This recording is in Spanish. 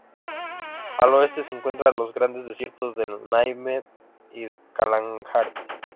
Al oeste se encuentran los grandes desiertos del Namib y el Kalahari.